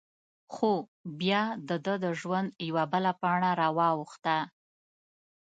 خو؛ بیا د دهٔ د ژوند یوه بله پاڼه را واوښته…